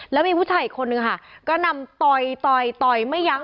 แล้วมีผู้ชายอีกคนนึงค่ะก็นำต่อยต่อยต่อยไม่ยั้ง